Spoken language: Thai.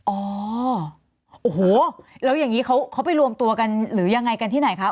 อ๋อโอ้โหแล้วอย่างนี้เขาไปรวมตัวกันหรือยังไงกันที่ไหนคะ